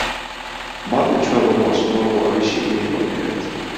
باوکت چووە بۆ مۆسکۆ بۆ ئەوەی شیرینیت بۆ بھێنێت